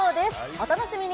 お楽しみに。